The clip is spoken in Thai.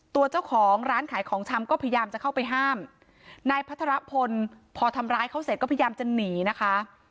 ตัวเจ้าของร้านขายของชำก็พยายามจะเข้าไปห้ามนายพัทรพลพอทำร้ายเขาเสร็จก็พยายามจะหนีนะคะ